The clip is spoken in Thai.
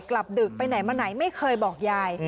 ดึกไปไหนมาไหนไม่เคยบอกยาย